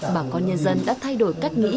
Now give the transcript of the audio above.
bảng con nhân dân đã thay đổi cách nghĩ